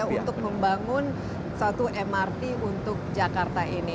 untuk membangun satu mrt untuk jakarta ini